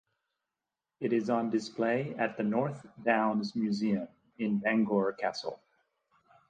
It is on display at the North Downs Museum in Bangor Castle.